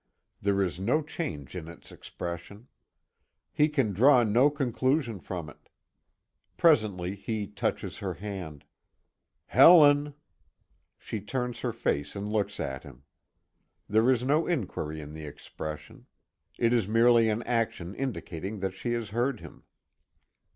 There is no change in its expression. He can draw no conclusion from it. Presently he touches her hand: "Helen." She turns her face and looks at him. There is no inquiry in the expression. It is merely an action indicating that she has heard him.